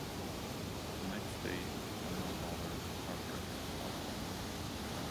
The next day, Family Dollar partnered with Healthways.